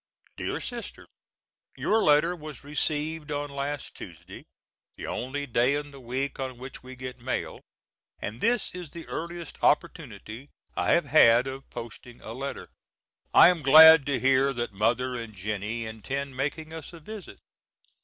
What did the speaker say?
DEAR SISTER: Your letter was received on last Tuesday, the only day in the week on which we get mail, and this is the earliest opportunity I have had of posting a letter. I am glad to hear that mother and Jennie intend making us a visit.